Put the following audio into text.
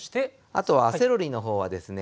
あとはセロリのほうはですね